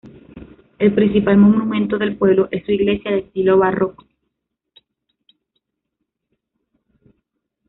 El principal monumento del pueblo es su iglesia, de estilo barroco.